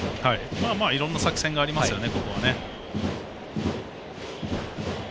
いろんな作戦がありますよね。